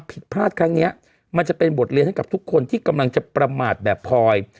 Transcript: ผิดพลาดครั้งนี้มันจะเป็นบทเรียนให้กับทุกคนที่กำลังจะประมาทแบบพลอย